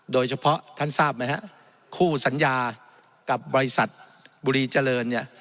โดยเฉพาะท่านทราบไหมฮะคู่สัญญากับบริษัทบุรีเจริญเนี่ย